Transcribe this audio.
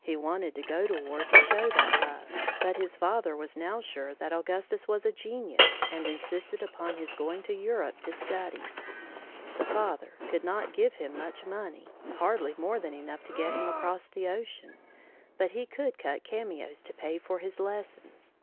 He wanted to go to war to show that love. But his father was now sure that Augustus was a genius and insisted upon his going to Europe to study. The father could not give him much money, hardly more than enough to get him across the ocean, but he could cut cameos to pay for his lessons.